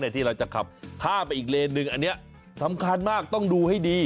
ที่เราจะขับข้ามไปอีกเลนหนึ่งอันนี้สำคัญมากต้องดูให้ดี